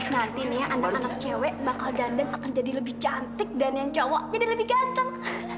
nanti nih ya anak anak cewek bakal gandeng akan jadi lebih cantik dan yang cowok jadi lebih ganteng